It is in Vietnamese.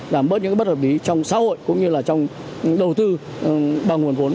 giảm bớt những cái bất hợp lý trong xã hội cũng như là trong đầu tư bằng nguồn vốn của công